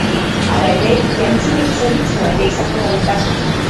Hala ere, jantzitegi zerbitzua ere izango da bertan.